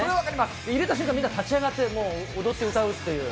入れた瞬間、みんな立ち上がって、踊って歌うっていう。